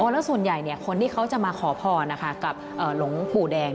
แล้วส่วนใหญ่คนที่เขาจะมาขอพรกับหลวงปู่แดง